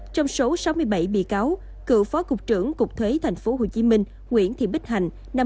trong số sáu mươi bảy bị cáo cựu phó cục trưởng cục thuế tp hcm nguyễn thị bích hành